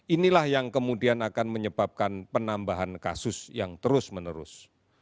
inilah yang kemudian akan menyebabkan penambahan kasus yang terus menerus